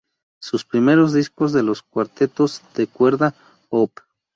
Sus primeros discos de los Cuartetos de Cuerda Opp.